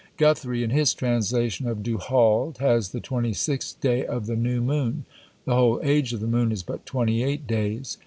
Guthrie, in his translation of Du Halde, has "the twenty sixth day of the new moon." The whole age of the moon is but twenty eight days.